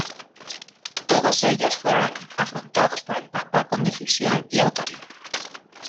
Todos ellos fueron afrontados por el papa con decisión y autoridad.